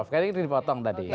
kali ini dipotong tadi